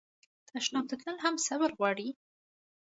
تشناب ته تلل هم صبر غواړي.